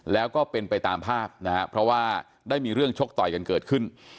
แล้วก็เป็นไปตามภาพนะฮะเพราะว่าได้มีเรื่องชกต่อยกันเกิดขึ้น